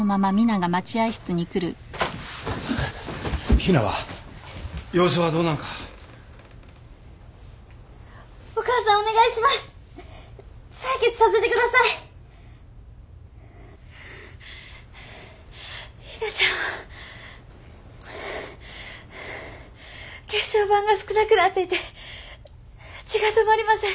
ひなちゃんは血小板が少なくなっていて血が止まりません。